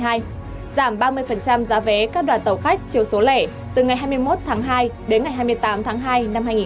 giảm ba mươi giá vé các đoàn tàu khách chiều số lẻ từ ngày hai mươi một tháng hai đến ngày hai mươi tám tháng hai năm hai nghìn hai mươi